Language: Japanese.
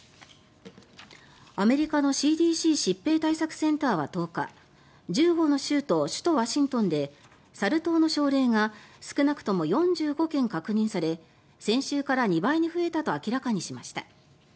アメリカのＣＤＣ・疾病対策センターは１０日１５の州と首都ワシントンでサル痘の症例が少なくとも４５件確認され先週から２倍に増えたと明らかにしました。